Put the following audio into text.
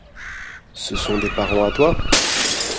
Ce sont des parents à toi ?